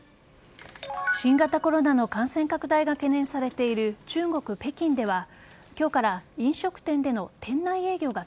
新型コロナの感染拡大が懸念されている中国・北京では今日から飲食店での店内営業が